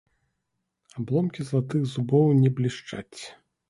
Абломкі залатых зубоў не блішчаць.